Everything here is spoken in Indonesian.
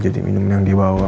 jadi minuman yang dia bawa